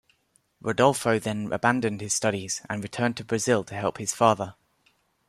Rodolpho then abandoned his studies and returned to Brazil to help his father.